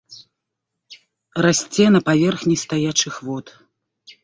Расце на паверхні стаячых вод.